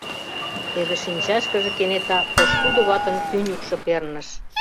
Теве шинчашкыже кенета пошкудо ватын тӱньыкшӧ перныш.